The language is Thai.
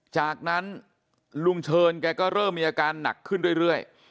จากนั้นลุงเชิญแกก็เริ่มมีอาการหนักขึ้นเรื่อย